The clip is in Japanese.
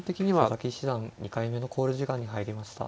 佐々木七段２回目の考慮時間に入りました。